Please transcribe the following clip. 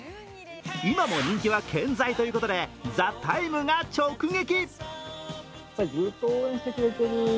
今も人気は健在ということで、「ＴＨＥＴＩＭＥ，」が直撃！